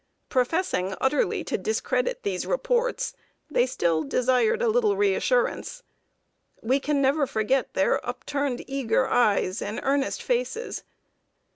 Professing utterly to discredit these reports, they still desired a little reassurance. We can never forget their upturned, eager eyes, and earnest faces.